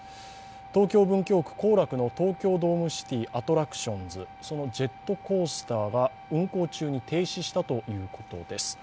東京・文京区後楽の東京ドームシティ、そのジェットコースターが運行中に停止したということです。